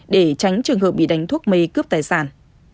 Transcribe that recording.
để tránh trường hợp bị đánh thuốc mê cướp tài sản